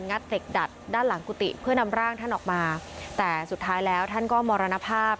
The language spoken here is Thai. เหล็กดัดด้านหลังกุฏิเพื่อนำร่างท่านออกมาแต่สุดท้ายแล้วท่านก็มรณภาพ